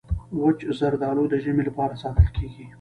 وچ زردالو د ژمي لپاره ساتل کېږي.